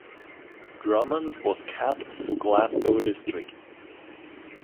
Drummond was capped for Glasgow District.